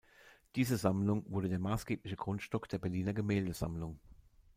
Diese Sammlung wurde der maßgebliche Grundstock der Berliner Gemäldesammlung.